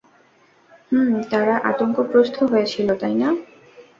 হুমম তারা আতঙ্কগ্রস্থ হয়েছিল, তাই না?